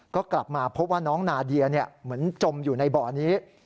ก็กลับมาพบว่าน้องนาเดียเหมือนจมอยู่ในบ่อนี้